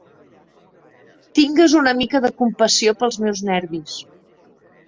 Tingues una mica de compassió pels meus nervis.